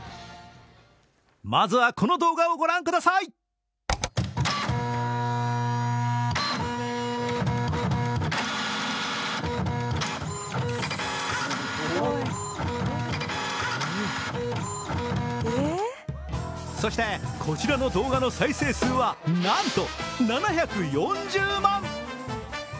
まずは、この動画をご覧くださいそして、こちらの動画の再生数はなんと７４０万。